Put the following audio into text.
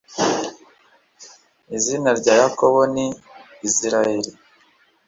izina rya yakobo ni israeli